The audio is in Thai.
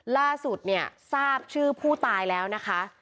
ล่าสุดเนี่ยทราบชื่อผู้ตายแล้วนะคะ